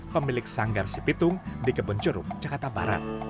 pemilik sanggar si pitung di kebun curug jakarta barat